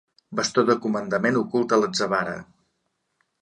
Bastó de comandament ocult a l'atzavara.